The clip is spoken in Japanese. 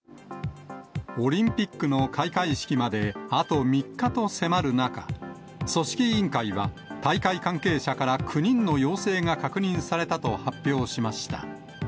オリンピックの開会式まであと３日と迫る中、組織委員会は大会関係者から９人の陽性が確認されたと発表しました。